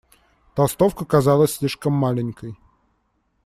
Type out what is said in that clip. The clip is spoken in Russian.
Толстовка казалась слишком маленькой.